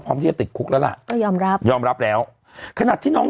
ที่จะติดคุกแล้วล่ะก็ยอมรับยอมรับแล้วขณะที่น้อง